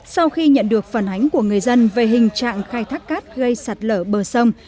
sau khi nhận được phản ánh của người dân về hình trạng khai thác cát gây sạt lở bờ sông